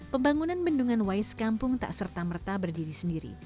pembangunan bendungan waiskampung tak serta merta berdiri sendiri